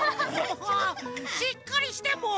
しっかりしてもう！